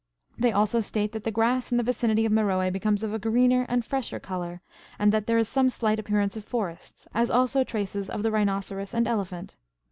They also state that the grass in the vicinity of Meroe becomes of a greener and fresher colour, and that there is some slight appearance of forests, as also traces of the rhinoceros and elephant.